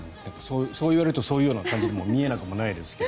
そういわれるとそういう感じにも見えなくもないですが。